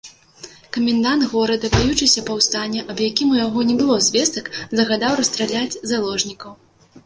Камендант горада, баючыся паўстання, аб якім у яго не было звестак, загадаў расстраляць заложнікаў.